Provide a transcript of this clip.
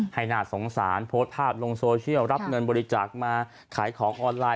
ให้น่าสงสารโพสต์ภาพลงโซเชียลรับเงินบริจาคมาขายของออนไลน